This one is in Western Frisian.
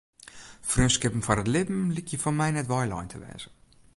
Freonskippen foar it libben lykje foar my net weilein te wêze.